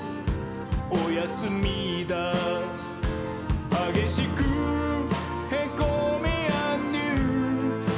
おやすみだー」「はげしくへこみーあんどゆー」